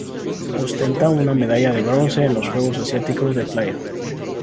Ostenta una medalla de bronce en los Juegos Asiáticos de Playa.